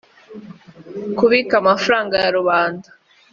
kubika amafaranga ya rubanda